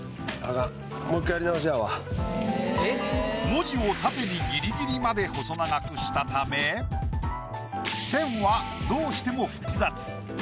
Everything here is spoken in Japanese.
文字を縦にギリギリまで細長くしたため線はどうしても。